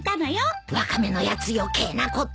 ワカメのやつ余計なことを